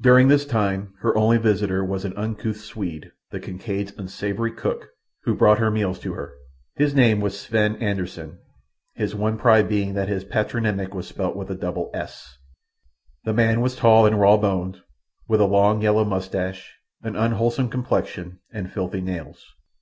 During this time her only visitor was an uncouth Swede, the Kincaid's unsavoury cook, who brought her meals to her. His name was Sven Anderssen, his one pride being that his patronymic was spelt with a double "s." The man was tall and raw boned, with a long yellow moustache, an unwholesome complexion, and filthy nails.